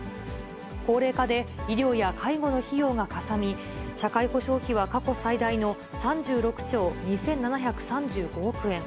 高齢化で医療や介護の費用がかさみ、社会保障費は過去最大の３６兆２７３５億円。